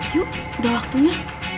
yuk udah waktunya